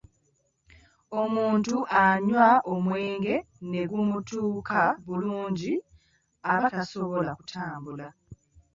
Omuntu anywa omwenge ne gumutuuka bulungi aba tasobola kutambula.